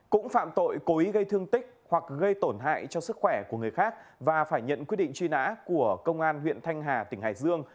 cũng phạm tội cố ý gây thương tích hoặc gây tổn hại cho sức khỏe của người khác và phải nhận quyết định truy nã của công an huyện thanh hà tỉnh hải dương